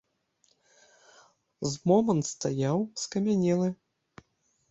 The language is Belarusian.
З момант стаяў, скамянелы.